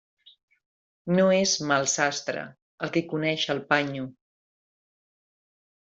No és mal sastre, el qui coneix el panyo.